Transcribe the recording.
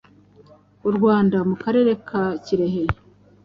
u Rwanda mu karere ka Kirehe,